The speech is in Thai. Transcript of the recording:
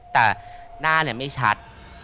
แต่หน้าไม่ชัด